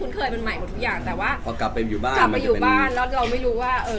เล็งนะต้องช่วยกันอยู่ด้วยกัน